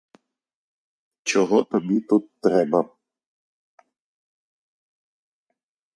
Чого тобі тут треба?